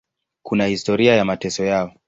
Kuna historia ya mateso yao.